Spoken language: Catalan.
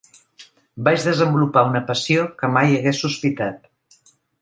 Vaig desenvolupar una passió que mai hagués sospitat.